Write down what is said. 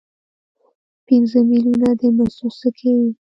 پنځه میلیونه د مسو سکې.